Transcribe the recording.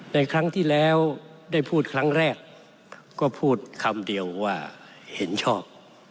ในครั้งที่แล้วได้พูดครั้งแรกก็พูดคำเดียวว่าเห็นชอบ